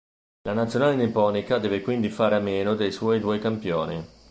La nazionale nipponica deve quindi a fare a meno dei suoi due campioni.